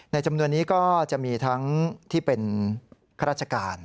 จำนวนนี้ก็จะมีทั้งที่เป็นข้าราชการ